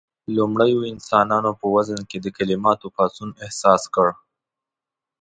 لومړيو انسانانو په وزن کې د کليماتو پاڅون احساس کړ.